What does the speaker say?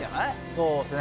そうですね。